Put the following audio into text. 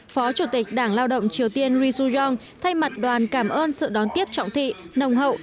phó chủ tịch đảng lao động triều tiên ri suyong thay mặt đoàn cảm ơn sự đón tiếp trọng thị nồng hậu